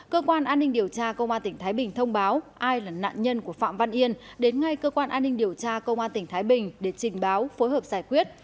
cơ quan an ninh điều tra công an tỉnh thái bình thông báo ai là nạn nhân của phạm văn yên đến ngay cơ quan an ninh điều tra công an tỉnh thái bình để trình báo phối hợp giải quyết